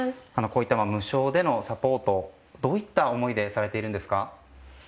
こういった無償でのサポートどういった思いでされているんですか。